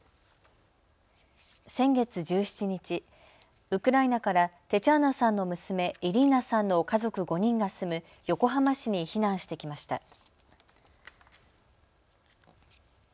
先月１７日、ウクライナからテチャーナさんの娘、イリーナさんの家族５人が住む横浜市に避難してきました。